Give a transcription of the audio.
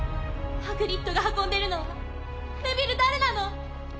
ハグリッドが運んでるのはネビル誰なの？